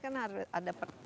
karena harus ada per